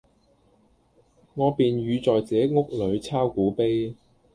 我便寓在這屋裏鈔古碑。